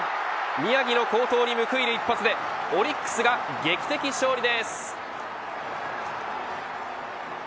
宮城の好投に報いる一発でオリックスが劇的勝利です。